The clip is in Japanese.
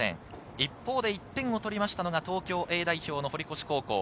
一方、１点を取りましたのが東京Ａ代表の堀越高校。